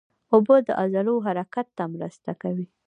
اوبه د عضلو حرکت ته مرسته کوي